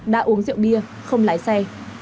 đã uống rượu bia không lái xe